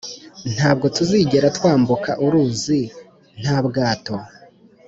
ntabwo tuzigera twambuka uruzi nta bwato.